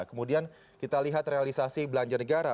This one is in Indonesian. kemudian kita lihat realisasi belanja negara